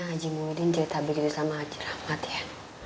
haji muidin cerita begitu sama haji rahmat ya